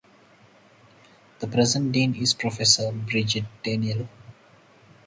The present Dean is Professor Brigid Daniel.